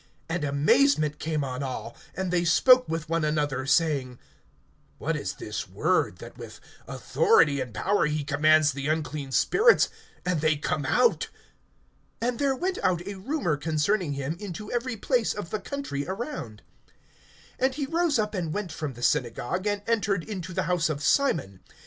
(36)And amazement came on all; and they spoke with one another, saying: What is this word, that with authority and power he commands the unclean spirits, and they come out? (37)And there went out a rumor concerning him into every place of the country around. (38)And he rose up and went from the synagogue, and entered into the house of Simon.